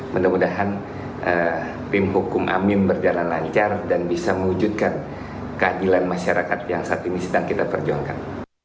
mudah mudahan tim hukum amin berjalan lancar dan bisa mewujudkan keadilan masyarakat yang saat ini sedang kita perjuangkan